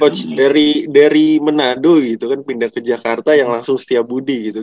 coach dari menado gitu kan pindah ke jakarta yang langsung setia budi gitu